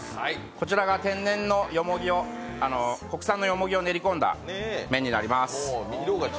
こちらが国産よもぎを練り込んだ麺になります